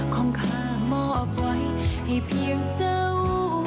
ของข้ามอบไว้ให้เพียงเจ้า